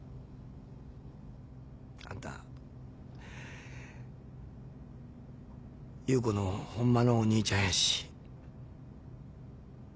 あんた優子のホンマのお兄ちゃんやし。